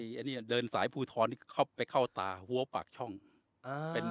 อันนี้เดินสายภูทรนี่เข้าไปเข้าตาหัวปากช่อง